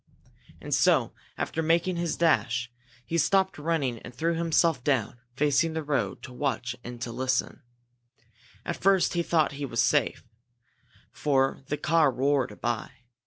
And so, after making his dash, he stopped running and threw himself down, facing the road, to watch and to listen. At first he thought he was safe, for the car roared by.